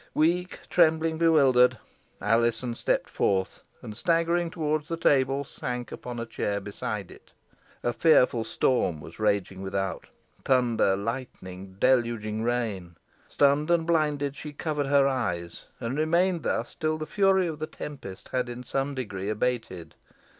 Weak, trembling, bewildered, Alizon stepped forth, and staggering towards the table sank upon a chair beside it. A fearful storm was raging without thunder, lightning, deluging rain. Stunned and blinded, she covered her eyes, and remained thus till the fury of the tempest had in some degree abated.